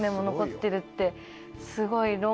すごい。